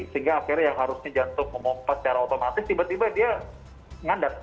sehingga akhirnya yang harusnya jantung memompat secara otomatis tiba tiba dia ngandap